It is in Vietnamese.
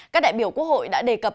các đại biểu quốc hội đã đề cập